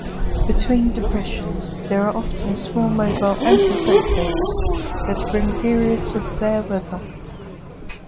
Between depressions there are often small mobile anticyclones that bring periods of fair weather.